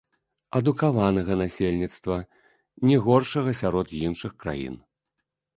Адукаванага насельніцтва, не горшага сярод іншых краін.